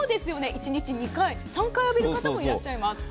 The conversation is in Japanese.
１日２回３回浴びる方もいらっしゃいます。